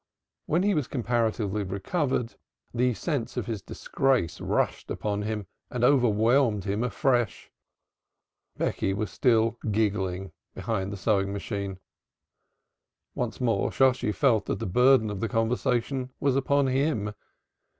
When he was comparatively recovered the sense of his disgrace rushed upon him and overwhelmed him afresh. Becky was still giggling behind the sewing machine. Once more Shosshi felt that the burden of the conversation was upon him.